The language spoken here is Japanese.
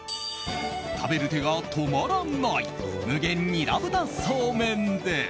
食べる手が止まらない無限ニラ豚そうめんです。